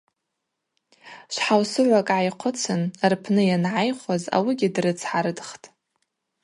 Швхӏаусыгӏвакӏ гӏайхъвыцын рпны йангӏайхуаз ауыгьи дрыцгӏардхтӏ.